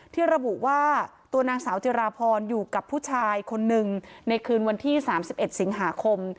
ที่ระบุว่าตัวนางสาวจิราพรอยู่กับผู้ชายคนหนึ่งในคืนวันที่๓๑สิงหาคม